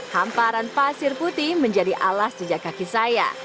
hamparan pasir putih menjadi alas jejak kaki saya